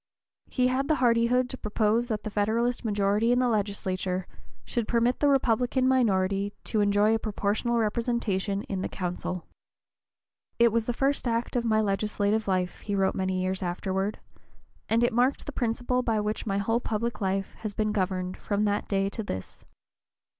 He had the hardihood to propose that the Federalist majority in the legislature should permit the Republican minority to enjoy a proportional representation in the council. "It was the first act of my legislative life," he wrote many years afterward, "and it marked the principle by which my whole public life has been governed from that day to this.